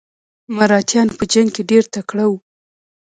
مراتیان په جنګ کې ډیر تکړه وو.